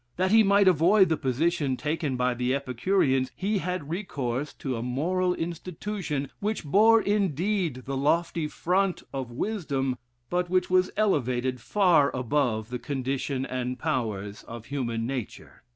That he might avoid the position taken by the Epicureans, he had recourse to a moral institution, which bore indeed the lofty front of wisdom, but which was elevated far above the condition and powers of human nature.